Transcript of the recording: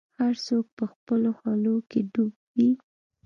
هر څوک به خپلو حولو کي ډوب وي